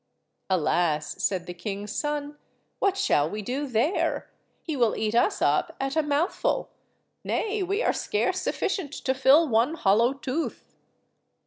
"Alas!" said the king's son, "what shall we do there? He will eat us up at a mouthful—nay, we are scarce sufficient to fill one hollow tooth."